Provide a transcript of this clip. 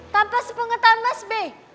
tanpa sepengetan mas be